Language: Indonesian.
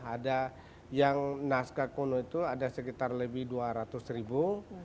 ada yang naskah kuno itu ada sekitar lebih dua ratus ribu